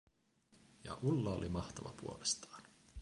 Ja Ulla oli mahtava puolestaan.